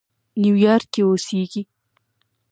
نیویارک کې اوسېږي.